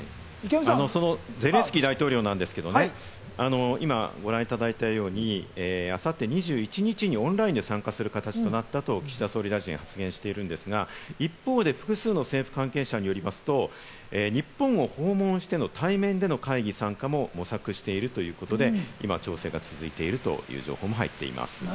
そのゼレンスキー大統領なんですけれどもね、今、ご覧いただいたように、あさって２１日にオンラインで参加する形となったと岸田総理大臣は発言しているんですが、一方で複数の政府関係者によりますと、日本を訪問しての対面での会議参加も模索しているということで、今、調整が続いているという情報も入っています。